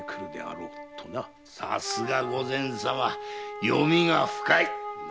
さすがに御前様読みが深い。